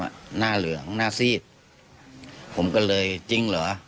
ว่าหน้าเสียงเหลืองหน้าซีดจริงเหรอ